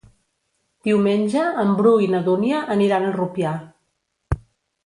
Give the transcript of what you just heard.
Diumenge en Bru i na Dúnia aniran a Rupià.